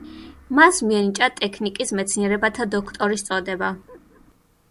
მას მიენიჭა ტექნიკის მეცნიერებათა დოქტორის წოდება.